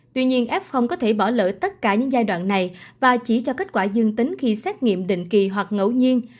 tuy nhiên f có thể bỏ lỡ tất cả những giai đoạn này và chỉ cho kết quả dương tính khi xét nghiệm định kỳ hoặc ngẫu nhiên